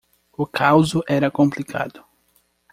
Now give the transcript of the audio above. O causo era complicado.